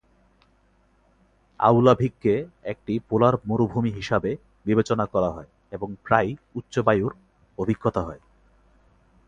আউলাভিককে একটি পোলার মরুভূমি হিসাবে বিবেচনা করা হয় এবং প্রায়ই উচ্চ বায়ুর অভিজ্ঞতা হয়।